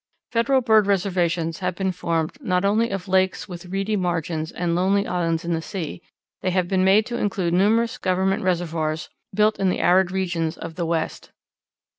Federal bird reservations have been formed not only of lakes with reedy margins and lonely islands in the sea, they have been made to include numerous Government reservoirs built in the arid regions of the West.